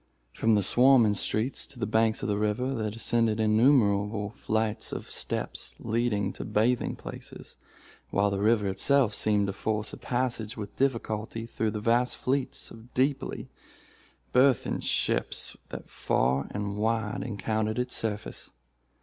From the swarming streets to the banks of the river, there descended innumerable flights of steps leading to bathing places, while the river itself seemed to force a passage with difficulty through the vast fleets of deeply burthened ships that far and wide encountered its surface.